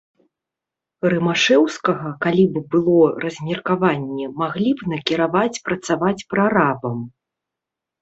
Рымашэўскага, калі б было размеркаванне, маглі б накіраваць працаваць прарабам.